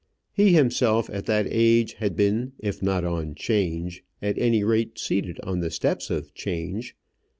He himself at that age had been, if not on 'Change, at any rate seated on the steps of 'Change.